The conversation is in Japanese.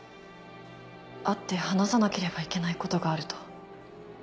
会って話さなければいけないことがあると。